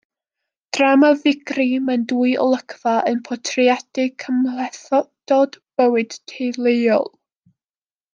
Drama ddigri mewn dwy olygfa yn portreadu cymhlethdod bywyd teuluol.